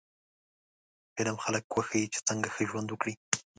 فلم خلک وښيي چې څنګه ښه ژوند وکړي